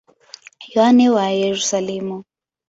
Yohane wa Yerusalemu.